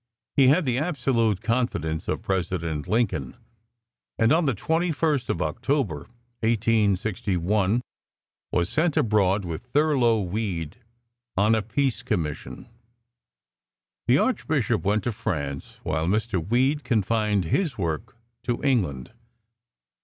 He had the absolute confidence of President Lincoln, and on the 21st of October, 1861, was sent abroad with Thurlow Weed on a "peace commission." The Archbishop went to France, while Mr. Weed confined his work to England.